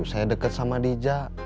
saya deket sama dija